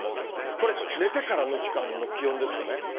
これ、寝てからの時間の気温ですよね。